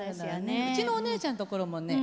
うちのお姉ちゃんところもね